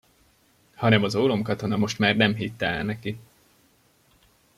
Hanem az ólomkatona most már nem hitte el neki.